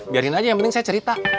biarin aja yang penting saya cerita